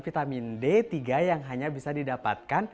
vitamin d tiga yang hanya bisa didapatkan